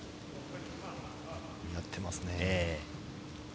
見合ってますね。